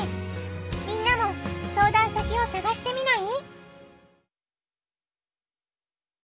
みんなも相談先をさがしてみない？